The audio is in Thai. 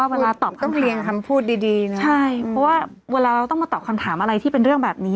เวลาต้องมาตอบคำถามอะไรที่เป็นเรื่องแบบนี้